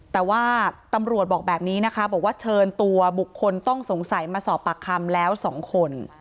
แต่ว่าตำรวจบอกแบบนี้นะคะบอกว่าเชิญตัวบุคคลต้องสงสัยมาสอบปากคำแล้ว๒คน